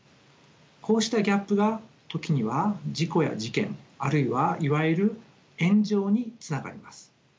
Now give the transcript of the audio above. こうしたギャップが時には事故や事件あるいはいわゆる炎上につながります。